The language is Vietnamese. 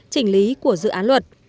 chỉnh lý của dự án luật